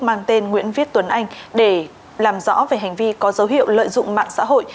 mang tên nguyễn viết tuấn anh để làm rõ về hành vi có dấu hiệu lợi dụng mạng xã hội